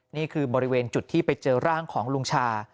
นี่คือบริเวณจุดที่ไปเจอร่างของลุงชา